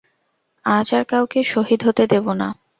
আজ আর কাউকে শহীদ হতে দেবো না।